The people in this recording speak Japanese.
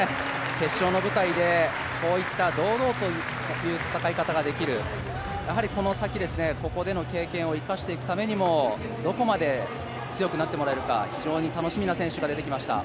決勝の舞台でこういった堂々とした戦い方ができるやはりこの先、ここでの経験を生かしていくためにもどこまで強くなってもらえるか非常に楽しみな選手が出てきました。